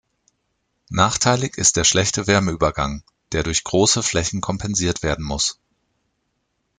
Nachteilig ist der schlechte Wärmeübergang, der durch große Flächen kompensiert werden muss.